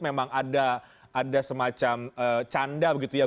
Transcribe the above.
memang ada semacam canda begitu ya